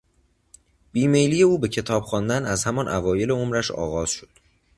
بیمیلی او به کتاب خواندن از همان اوایل عمرش آغاز شد.